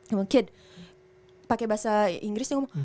kamu kid pake bahasa inggris dia ngomong